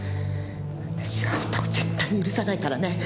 私はあんたを絶対に許さないからね！